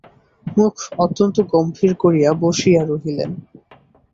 মুখ অত্যন্ত গম্ভীর করিয়া বসিয়া রহিলেন।